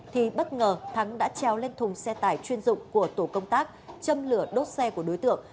thì bất ngờ thắng đã treo lên thùng xe tải chuyên dụng của tổ công tác châm lửa đốt xe của đối tượng